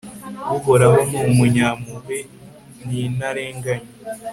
uhoraho ni umunyampuhwe n'intarenganya